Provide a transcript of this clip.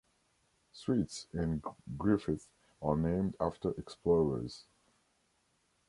Streets in Griffith are named after explorers.